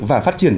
và phát triển